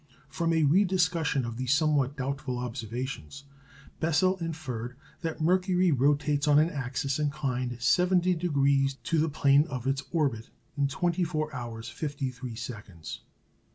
From a rediscussion of these somewhat doubtful observations Bessel inferred that Mercury rotates on an axis inclined 70° to the plane of its orbit in 24 hours 53 seconds.